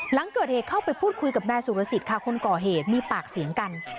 หลังเกิดเหตุเข้าไปพูดคุยกับนายสุรสิทธิ์ค่ะคนก่อเหตุมีปากเสียงกัน